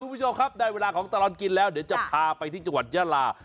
คุณผู้ชมครับได้เวลาของตลอดกินแล้วเดี๋ยวจะพาไปที่จังหวัดยาลา